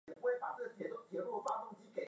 眼看同夥帽子上都標著名目